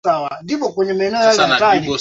Napenda kuimba ngoma za kizungu